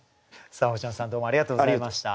さあ星野さんどうもありがとうございました。